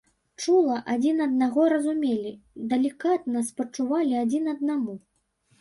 Чула адзін аднаго разумелі, далікатна спачувалі адзін аднаму.